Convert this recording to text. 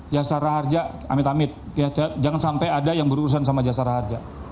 jasa raharja amit amit jangan sampai ada yang berurusan sama jasa raharja